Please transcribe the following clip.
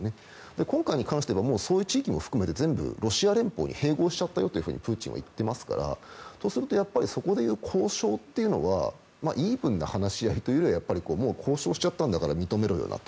今回に関してはそういう地域も含めて全部ロシア連邦に併合しちゃったよってプーチンは言っていますからとするとそこでいう交渉というのはイーブンな話し合いというのはもう交渉しちゃったんだから認めろよだと。